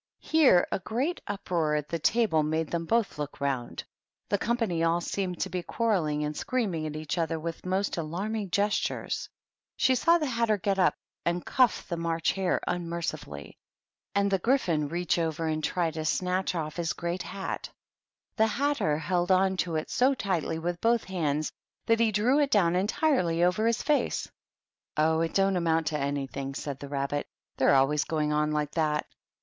Here a great uproar at the table made them both look round. The company all seemed to be quarrelling, and screamed at each other with most alarming gestures. She saw the Hatter get up and cuff the March Hare unmercifully, and the / 82 THE TEA TABLE. Gryphon reach over and try to snatch off his great hat. The Hatter held on to it so tightly with both hands that he drew it down entirely over his face. " Oh, it don't amount to anything !" said the Babbit; "they're always going on like that."